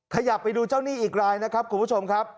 ขยับไปดูเจ้าหนี้อีกรายนะครับคุณผู้ชมครับ